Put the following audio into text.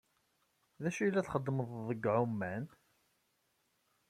D acu ay la txeddmeḍ deg ɛuman?